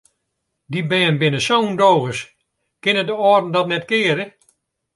Dy bern binne sa ûndogens, kinne de âlden dat net keare?